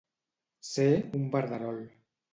Ser un verderol.